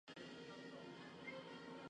発言の価値もない